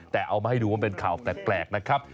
แต่เอามาให้ดูว่าเป็นข่าวแปลกนะครับ